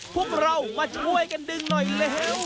พวกเรามาช่วยดึงกันหน่อยเร็ว